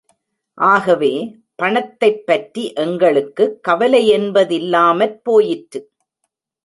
ஆகவே, பணத்தைப்பற்றி எங்களுக்குக் கவலையென்பதில்லாமற் போயிற்று.